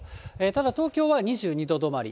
ただ、東京は２２度止まり。